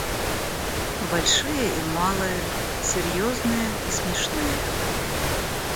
большие и малые, серьезные и смешные.